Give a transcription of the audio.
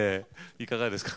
いかがですか？